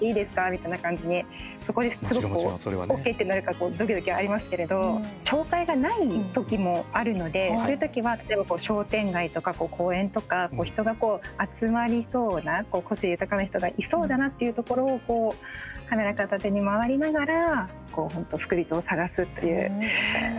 みたいな感じでそこですごくＯＫってなるかドキドキありますけれど紹介がない時もあるのでそういう時は例えば商店街とか公園とか人が集まりそうな個性豊かな人がいそうだなというところをカメラ片手に回りながらふくびとを探すっていう。